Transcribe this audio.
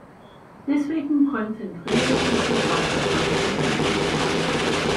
Deswegen konzentriere sie sich auf die französische Sprache.